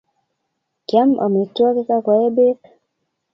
Kiam amitwogik ak koe bek